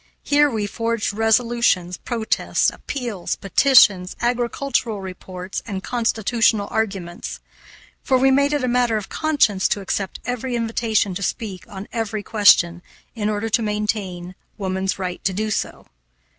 Here we forged resolutions, protests, appeals, petitions, agricultural reports, and constitutional arguments; for we made it a matter of conscience to accept every invitation to speak on every question, in order to maintain woman's right to do so.